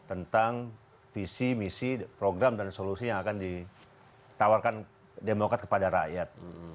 tentang visi misi program dan solusi yang akan ditawarkan demokrat kepada rakyat